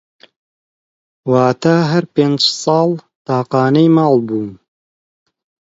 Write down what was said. واتا هەر پێنج ساڵ تاقانەی ماڵ بووم